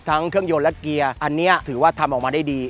เครื่องยนต์และเกียร์อันนี้ถือว่าทำออกมาได้ดี